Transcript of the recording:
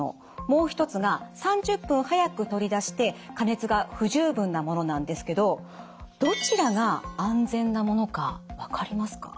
もう一つが３０分早く取り出して加熱が不十分なものなんですけどどちらが安全なものか分かりますか？